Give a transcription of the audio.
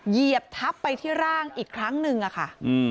เหยียบทับไปที่ร่างอีกครั้งหนึ่งอะค่ะ